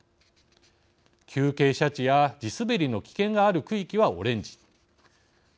急傾斜地や地滑りの危険がある区域はオレンジ。